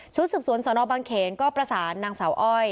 ชุดสุดสวนสอนออกบางเขนก็ประสานนางสาวอ้อย